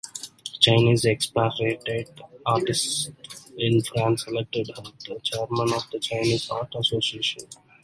Chinese expatriate artists in France elected her the chairman of the Chinese Art Association.